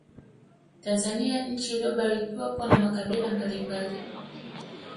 Tanzania nchi iliyobarikiwa kuwa na makabila mbalimbali